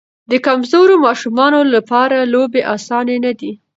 د کمزورو ماشومانو لپاره لوبې اسانه نه دي.